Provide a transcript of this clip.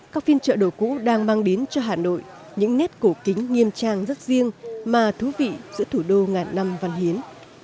các phiên chợ đồ cũ đang mang đến cho hà nội những nét cổ kính nghiêm trang rất riêng mà thú vị giữa thủ đô ngàn năm văn hiến